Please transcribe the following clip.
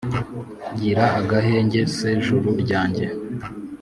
gira agahenge se juru ryanjye